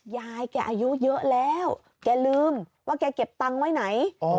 ยายแกอายุเยอะแล้วแกลืมว่าแกเก็บตังค์ไว้ไหน